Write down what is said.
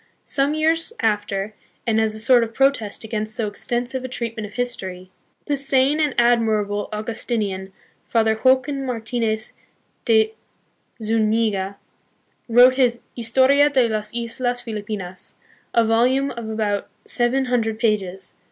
Some years after, and as a sort of protest against so extensive a treatment of history, the sane and admirable Augustinian, Father Joaquin Martinez de Zuniga, wrote his Historia de las Islas Filipinas, a volume of about seven hundred pages.